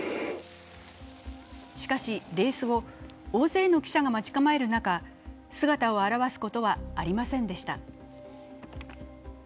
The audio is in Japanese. しかし、レース後、大勢の記者が待ち構える中、姿を現すことはありませんでした。